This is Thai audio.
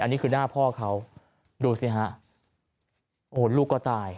อันนี้คือหน้าพ่อเขาดูสิฮะโอ้โหลูกก็ตาย